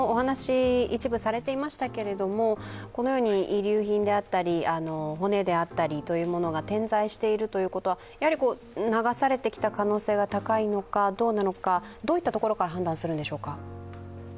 遺留品であったり骨であったりというものが点在しているということは流されてきた可能性が高いのか、どうなのかどういったところから判断するんでしょうか。